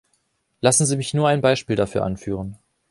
Lassen Sie mich nur ein Beispiel dafür anführen.